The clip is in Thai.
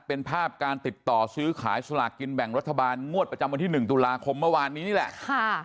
เป็นภาพการติดต่อซื้อขายสลากกินแบ่งรัฐบาลงวดประจำวันที่๑ตุลาคมเมื่อวานนี้นี่แหละ